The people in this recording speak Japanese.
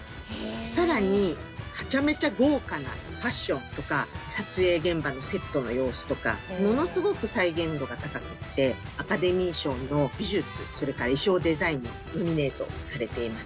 更に、はちゃめちゃ豪華なファッションとか撮影現場のセットの様子とかものすごく再現度が高くてアカデミー賞の美術、それから衣装デザインにノミネートされています。